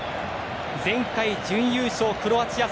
前回準優勝、クロアチア